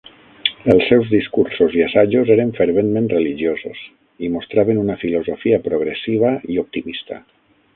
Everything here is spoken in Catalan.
Els seus discursos i assajos eren ferventment religiosos i mostraven una filosofia progressiva i optimista.